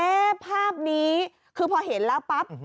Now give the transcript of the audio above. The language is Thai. ภาพนี้คือพอเห็นแล้วปั๊บ